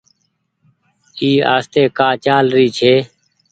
اي آستي ڪآ چآل ري ڇي۔